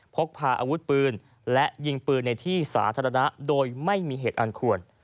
พกพาอาวุธปืนและยิงปืนในที่สาธารณะโดยไม่มีเหตุอันควร